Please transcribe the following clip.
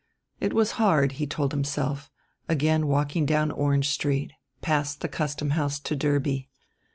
It was hard, he told himself again, walking down Orange Street, past the Custom House to Derby.